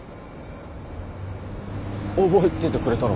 覚えててくれたの？